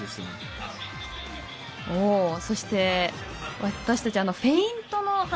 そして、私たちはフェイントの話。